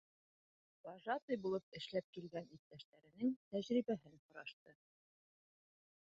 Вожатый булып эшләп килгән иптәштәренең тәжрибәһен һорашты.